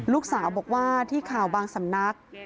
ลูกสาวบอกว่าที่ข่าวบางสำนัก